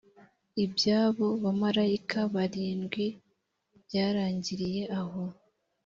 i by abo bamarayika barindwi byarangiriye aho